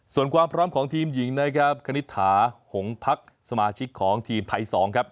ส่วนความพร้อมของทีมหญิงนะครับคณิตถาหงพักสมาชิกของทีมไทย๒ครับ